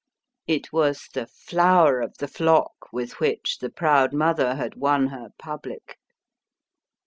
It was the flower of the flock with which the proud mother had won her public.